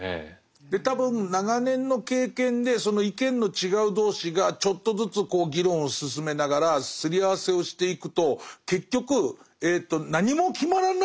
で多分長年の経験でその意見の違う同士がちょっとずつ議論を進めながらすり合わせをしていくと結局何も決まらないんだっていう。